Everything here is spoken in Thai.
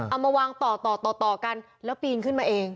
เอามาวางต่อต่อกันแล้วปีนขึ้นมาเอง